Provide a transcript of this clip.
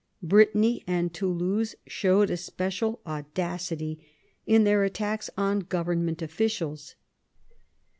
Brittany and Toulouse showed especial audacity in their attacks on government officials.